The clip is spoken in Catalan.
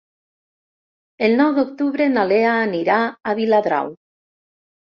El nou d'octubre na Lea anirà a Viladrau.